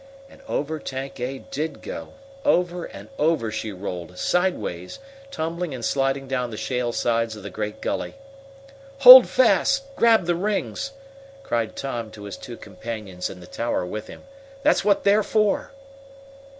And over Tank A did go. Over and over she rolled, sidewise, tumbling and sliding down the shale sides of the great gully. "Hold fast! Grab the rings!" cried Tom to his two companions in the tower with him. "That's what they're for!"